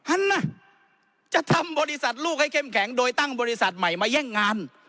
อันนะจะทำบริษัทลูกให้เข้มแข็งโดยตั้งบริษัทใหม่มาแย่งงาน